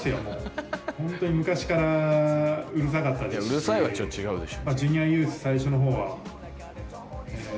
「うるさい」はちょっと違うでしょ。